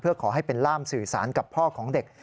เพื่อขอให้เป็นล่ามสื่อสารกับพ่อของเด็ก